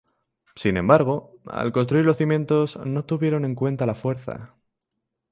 Sin embargo, al construir los cimientos, no tuvieron en cuenta la fuerza.